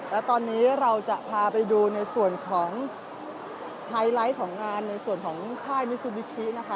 และตอนนี้เราจะพาไปดูในส่วนของไฮไลท์ของงานในส่วนของค่ายมิซูบิชินะคะ